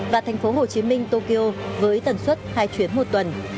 và tp hcm tokyo với tần suất hai chuyến một tuần